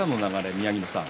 宮城野さん